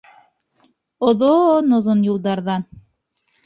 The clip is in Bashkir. Оҙон-оҙон юлдарҙан